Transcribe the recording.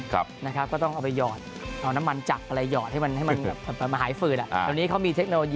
ก็ต้องเอาไปหยอดเอาน้ำมันจับอะไรหยอดให้มันหายฝืด